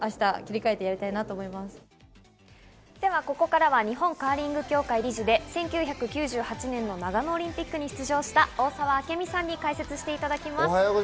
ここからは日本カーリング協会理事で１９９８年の長野オリンピックに出場した大澤明美さんに解説していただきます。